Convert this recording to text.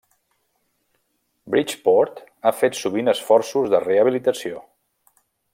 Bridgeport ha fet sovint esforços de rehabilitació.